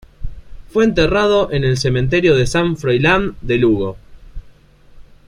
Fue enterrado en el cementerio de San Froilán de Lugo.